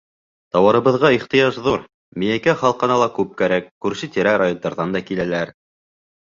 — Тауарыбыҙға ихтыяж ҙур, Миәкә халҡына ла күп кәрәк, күрше-тирә райондарҙан да киләләр.